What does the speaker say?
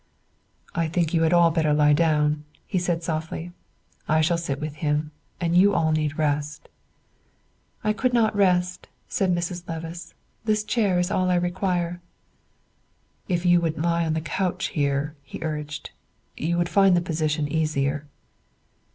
"I think you had all better lie down," he said softly. "I shall sit with him, and you all need rest." "I could not rest," said Mrs. Levice; "this chair is all I require." "If you would lie on the couch here," he urged, "you would find the position easier."